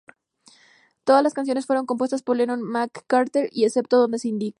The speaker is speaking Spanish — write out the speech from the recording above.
Todas las canciones fueron compuestas por Lennon-McCartney, excepto donde se indica.